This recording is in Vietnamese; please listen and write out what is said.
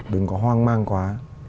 đừng có hoang mang quá